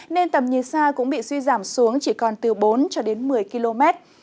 nên tầm nhiệt sa cũng bị suy giảm xuống chỉ còn từ bốn một mươi km